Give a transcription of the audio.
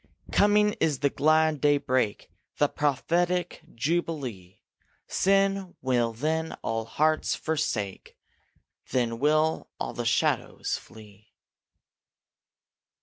Coming is the glad daybreak, The prophetic jubilee; Sin will then all hearts forsake, Then will all the shadows flee.